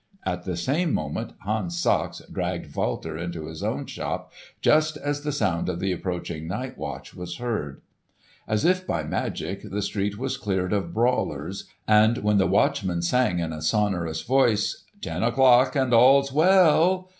At the same moment, Hans Sachs dragged Walter into his own shop just as the sound of the approaching night watch was heard. As if by magic the street was cleared of brawlers, and when the watchman sang in a sonorous voice, "Ten o'clock and all's well!"